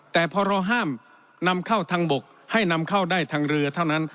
แต่พอเราห้ามนำเข้าทางบกให้นำเข้าได้ทางเรือเท่านั้น